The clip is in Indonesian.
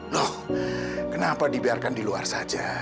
loh kenapa dibiarkan di luar saja